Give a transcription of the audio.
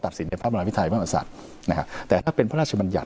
ตัดศีลเทพภรมาภิไทยนะคะแต่ถ้าเป็นพระราชบัญญัฐ